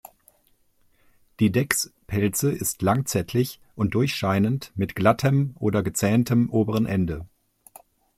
Die Deckspelze ist lanzettlich und durchscheinend mit glattem oder gezähntem oberen Ende.